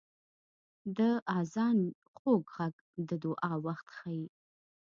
• د آذان خوږ ږغ د دعا وخت ښيي.